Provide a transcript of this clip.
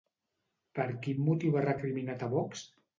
Per quin motiu ha recriminat a Vox?